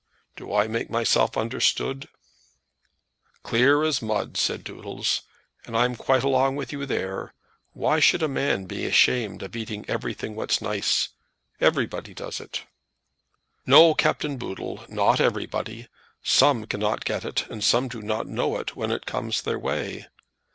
Do I make myself understood?" "Clear as mud," said Doodles. "I'm quite along with you there. Why should a man be ashamed of eating what's nice? Everybody does it." "No, Captain Boodle; not everybody. Some cannot get it, and some do not know it when it comes in their way.